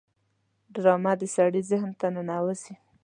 ډرامه د سړي ذهن ته ننوزي